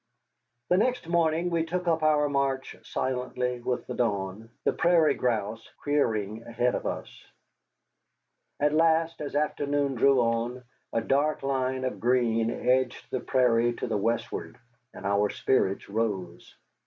The next morning we took up our march silently with the dawn, the prairie grouse whirring ahead of us. At last, as afternoon drew on, a dark line of green edged the prairie to the westward, and our spirits rose.